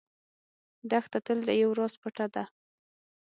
دښته تل د یو راز پټه ده.